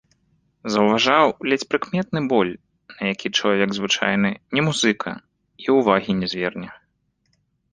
Заўважаў ледзь прыкметны боль, на які чалавек звычайны, не музыка, і ўвагі не зверне.